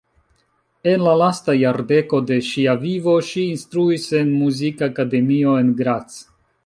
En la lasta jardeko de ŝia vivo ŝi instruis en muzikakademio en Graz.